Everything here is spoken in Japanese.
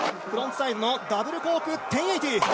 フロントサイドのダブルコーク１０８０。